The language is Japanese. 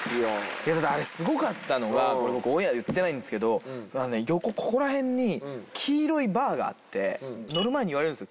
いやあれすごかったのがこれ僕オンエアで言ってないんですけど横ここら辺に黄色いバーがあって乗る前に言われるんすよ。